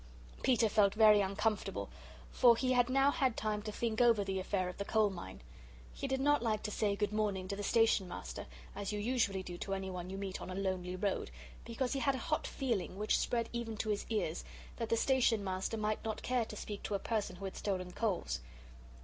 Peter felt very uncomfortable, for he had now had time to think over the affair of the coal mine. He did not like to say "Good morning" to the Station Master, as you usually do to anyone you meet on a lonely road, because he had a hot feeling, which spread even to his ears, that the Station Master might not care to speak to a person who had stolen coals.